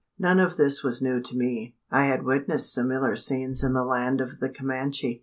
None of this was new to me. I had witnessed similar scenes in the land of the Comanche.